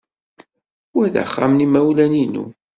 Wa d axxam n yimawlan-inu.